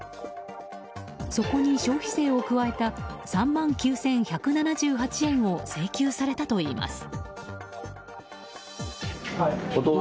そこに消費税を加えた３万９１７８円を請求されたといいます。